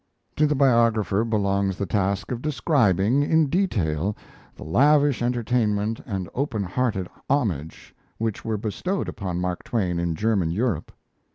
To the biographer belongs the task of describing, in detail, the lavish entertainment and open hearted homage which were bestowed upon Mark Twain in German Europe.